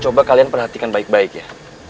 coba kalian perhatikan baik baik ya